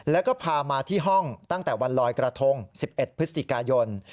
แล้วก็พามาที่ห้องตั้งแต่วันลอยกระทง๑๑พฤศจิกายน